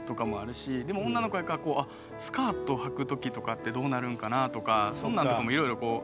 でも女の子やからスカートはく時とかってどうなるんかなとかそんなんとかもいろいろこう。